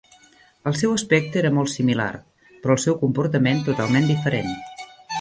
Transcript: El seu aspecte era molt similar, però el seu comportament totalment diferent.